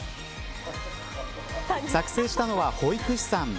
作成したのは保育士さん。